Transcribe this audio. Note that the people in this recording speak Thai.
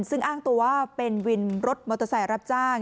ซึ่งอ้างตัวว่าเป็นวินรถมอเตอร์ไซค์รับจ้าง